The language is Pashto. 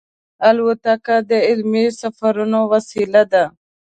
الوتکه د علمي سفرونو وسیله ده.